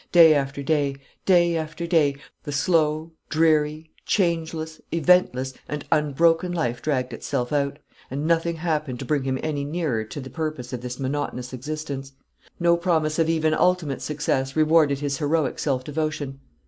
Day after day, day after day, the slow, dreary, changeless, eventless, and unbroken life dragged itself out; and nothing happened to bring him any nearer to the purpose of this monotonous existence; no promise of even ultimate success rewarded his heroic self devotion.